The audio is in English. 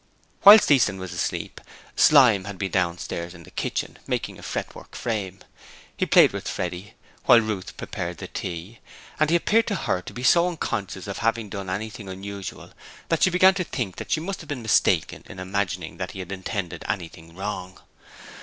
Whilst Easton was asleep, Slyme had been downstairs in the kitchen, making a fretwork frame. He played with Freddie while Ruth prepared the tea, and he appeared to her to be so unconscious of having done anything unusual that she began to think that she must have been mistaken in imagining that he had intended anything wrong.